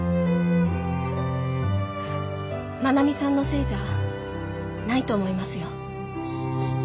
真奈美さんのせいじゃないと思いますよ。